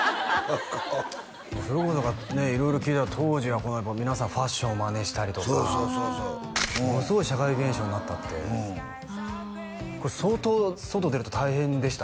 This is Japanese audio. それこそだからね色々聞いたら当時は皆さんファッションをマネしたりとかそうそうそうそうああものすごい社会現象になったってああこれ相当外出ると大変でした？